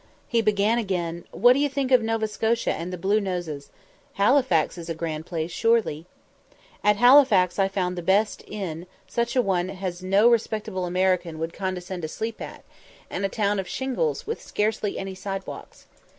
He began again: "What do you think of Nova Scotia and the 'Blue Noses'? Halifax is a grand place, sure_ly_!" "At Halifax I found the best inn such a one as no respectable American would condescend to sleep at, and a town of shingles, with scarcely any sidewalks.